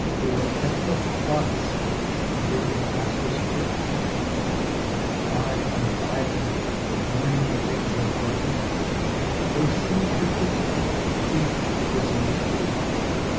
Or deathless dust feeling the passer's foot ? An eye undying mourning things undone? Or seed for quickening free from prisoning fruit